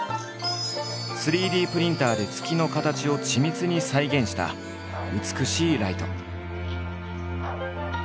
３Ｄプリンターで月の形を緻密に再現した美しいライト。